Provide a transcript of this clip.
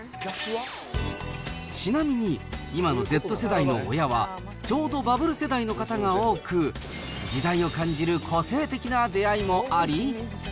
ちなみに今のＺ世代の親は、ちょうどバブル世代の方が多く、時代を感じる個性的な出会いもあり。